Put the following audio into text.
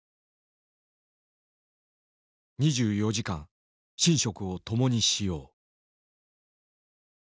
２４時間寝食を共にしよう」。